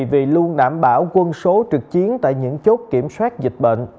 vì luôn đảm bảo quân số trực chiến tại những chốt kiểm soát dịch bệnh